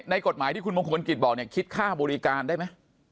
ในกฎหมายที่คุณมงคลกิจบอกเนี่ยคิดค่าบริการได้ไหม